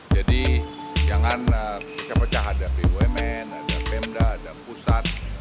jadi jangan pecah pecah ada bumn ada pemda ada pusat